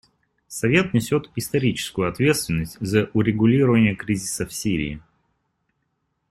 Совет несет историческую ответственность за урегулирование кризиса в Сирии.